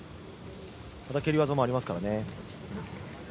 ただ、蹴り技もありますからね。